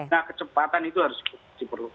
nah kecepatan itu harus diperlukan